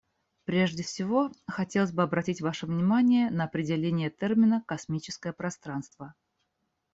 Прежде всего хотелось бы обратить ваше внимание на определение термина "космическое пространство".